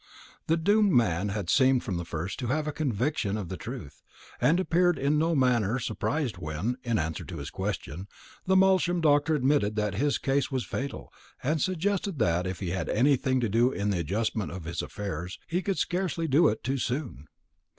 The doomed man had seemed from the first to have a conviction of the truth, and appeared in no manner surprised when, in answer to his questions, the Malsham doctor admitted that his case was fatal, and suggested that, if he had anything to do in the adjustment of his affairs, he could scarcely do it too soon.